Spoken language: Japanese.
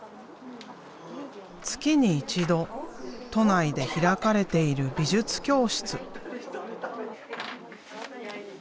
月に一度都内で開かれている美術教室。